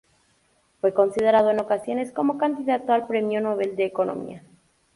Fue considerado en ocasiones como candidato al Premio Nobel de Economía.